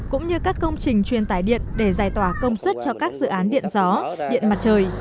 cũng như các công trình truyền tải điện để giải tỏa công suất cho các dự án điện gió điện mặt trời